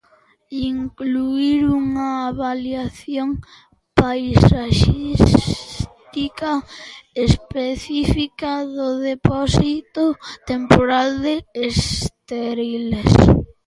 Incluír unha avaliación paisaxística específica do depósito temporal de estériles.